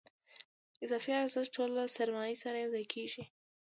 اضافي ارزښت ټول له سرمایې سره یوځای کېږي